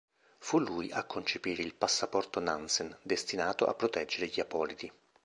Fu lui a concepire il Passaporto Nansen, destinato a proteggere gli apolidi.